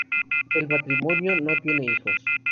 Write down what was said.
El matrimonio no tiene hijos.